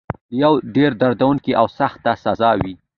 دا یوه ډېره دردونکې او سخته سزا وه.